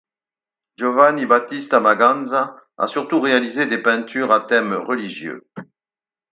Giovanni Battista Maganza a surtout réalisé des peintures à thème religieux.